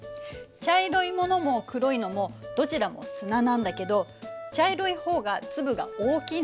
茶色いものも黒いのもどちらも砂なんだけど茶色い方が粒が大きいので先に沈むの。